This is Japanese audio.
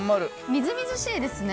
みずみずしいですね。